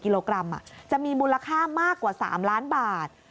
กิโลกรัมจะมีมูลค่ามากกว่า๓ล้านบาท